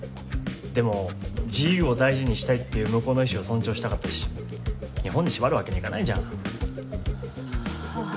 でも自由を大事にしたいっていう向こうの意思を尊重したかったし日本に縛るわけにいかないじゃん。はあ。